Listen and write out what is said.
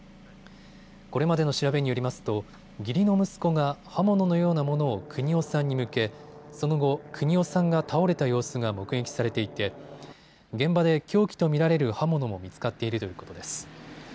これまでの調べによりますと義理の息子が刃物のようなものを邦雄さんに向けその後、邦雄さんが倒れた様子が目撃されていて現場で凶器と見られる刃物も見つかっているということです。